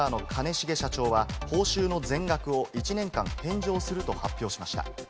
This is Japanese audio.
重社長は報酬の全額を１年間返上すると発表しました。